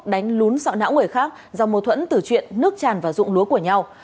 đánh lún sọ não người khác do mô thuẫn tử chuyện nước tràn và dụng lúa của nhau